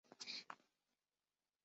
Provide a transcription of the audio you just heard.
迁居蕲水。